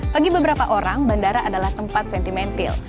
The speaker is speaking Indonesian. bagi beberapa orang bandara adalah tempat sentimental